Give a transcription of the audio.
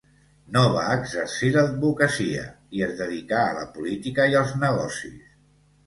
No va exercir l'advocacia i es dedicà a la política i als negocis.